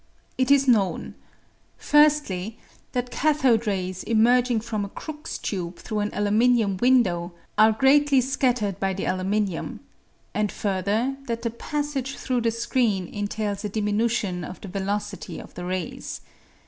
It is known :— Firstly, that cathode rays emerging from a Crookes tube through an aluminium window are greatly scattered by the aluminium ; and, further, that the passage through the screen entails a diminution of the velocity of the rays.